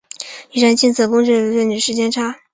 以上近似公式的误差称为时间差。